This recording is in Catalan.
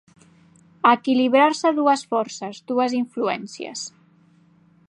Equilibrar-se dues forces, dues influències.